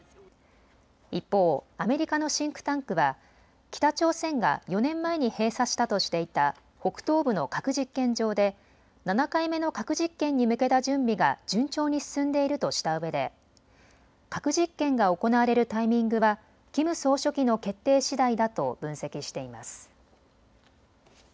一方、アメリカのシンクタンクは北朝鮮が４年前に閉鎖したとしていた北東部の核実験場で７回目の核実験に向けた準備が順調に進んでいるとしたうえで核実験が行われるタイミングはキム総書記の決定しだいだと分析しています。